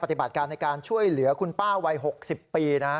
ปฏิบัติการในการช่วยเหลือคุณป้าวัย๖๐ปีนะ